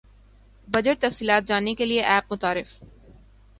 budget تفصیلات جاننے کیلئے ایپ متعارف